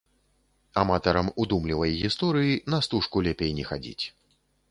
Аматарам удумлівай гісторыі на стужку лепей не хадзіць.